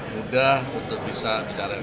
mudah untuk bisa bicara